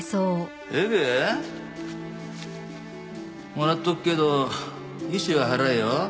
もらっとくけど利子は払えよ。